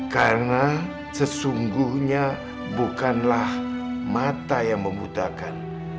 karena sesungguhnya bukanlah mata yang membutakan